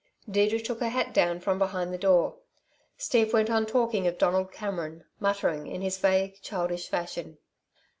Deirdre took her hat down from behind the door. Steve went on talking of Donald Cameron, muttering in his vague, childish fashion.